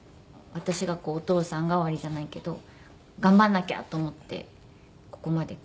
私がこうお父さん代わりじゃないけど頑張んなきゃと思ってここまで。